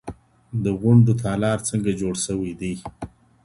د غونډو تالار څنګه جوړ شوی دی؟